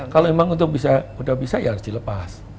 kalau memang itu sudah bisa ya harus dilepas